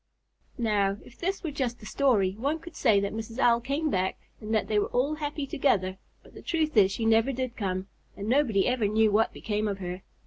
Now, if this were just a story, one could say that Mrs. Owl came back and that they were all happy together; but the truth is she never did come, and nobody ever knew what became of her.